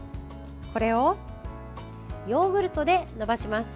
これをヨーグルトでのばします。